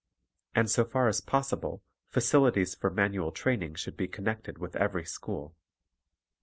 And, so far as possible, facilities for manual training should be connected with every school.